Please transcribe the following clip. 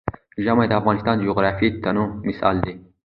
ژمی د افغانستان د جغرافیوي تنوع مثال دی.